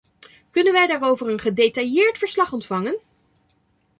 Kunnen wij daarover een gedetailleerd verslag ontvangen?